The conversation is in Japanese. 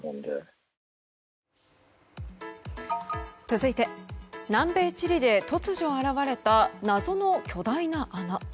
続いて、南米チリで突如現れた謎の巨大な穴。